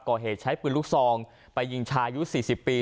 ก่อเหตุใช้ปืนลูกซองไปยิงชายุ๔๐ปี